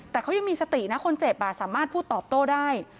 แต่เขายังมีสตินะคนเจ็บสามารถพูดตอบโต้ได้